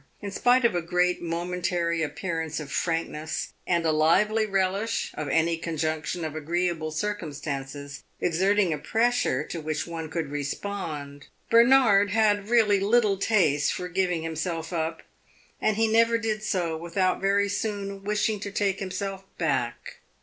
In spite of a great momentary appearance of frankness and a lively relish of any conjunction of agreeable circumstances exerting a pressure to which one could respond, Bernard had really little taste for giving himself up, and he never did so without very soon wishing to take himself back.